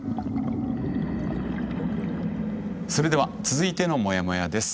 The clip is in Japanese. それでは続いてのモヤモヤです。